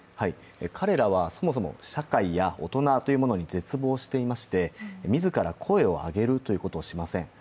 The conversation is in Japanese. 彼らはそもそも社会や大人というものに絶望していまして、自ら声を上げるということをしません。